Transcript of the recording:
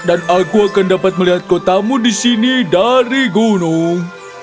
dan aku akan dapat melihat kotamu di sini dari gunung